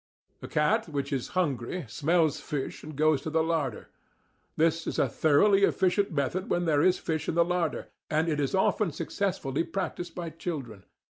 A cat which is hungry smells fish, and goes to the larder. This is a thoroughly efficient method when there is fish in the larder, and it is often successfully practised by children.